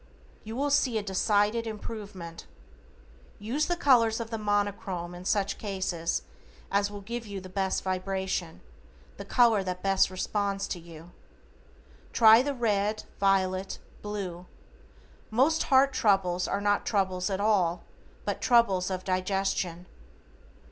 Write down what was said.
You will see a decided improvement. Use the colors of the Monochrome in such cases as will give you the best vibration, the color that best responds to you. Try the Red, Violet, Blue. Most "heart troubles" are not heart troubles at all, but troubles of digestion.